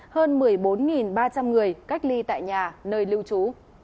hơn một mươi bốn ba trăm linh người cách ly tại nhà nơi lưu trú